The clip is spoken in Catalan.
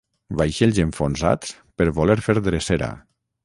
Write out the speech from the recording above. Vaixells enfonsats per voler fer drecera